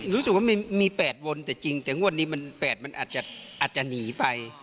รู้สึกว่ามี๘วนแต่จริงแต่งวดนี้มัน๘มันอาจจะหนีไป